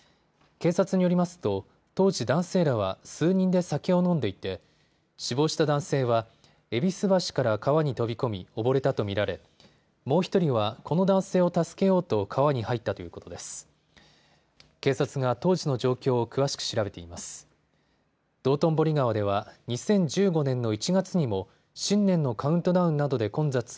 警察によりますと当時、男性らは数人で酒を飲んでいて死亡した男性は戎橋から川に飛び込み溺れたと見られもう１人はこの男性を助けようと川に入ったということです。